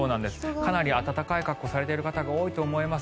かなり暖かい格好をされている方が多いと思います。